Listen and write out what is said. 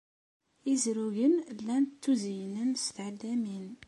Izrugen llan ttuzeyynen s tɛellamin.